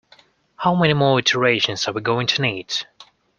How many more iterations are we going to need?